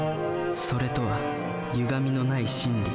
「それ」とはゆがみのない真理。